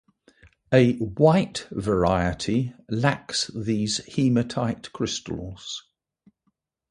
A white variety lacks these hematite crystals.